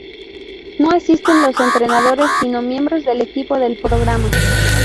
No asisten los entrenadores sino miembros del equipo del Programa.